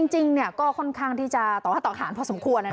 จริงก็ค่อนข้างนึกว่าต่อถ้าต่อาวนพอสมควร